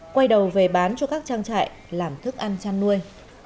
quay đầu về bán cho các trang trại làm thức ăn chăn nuôi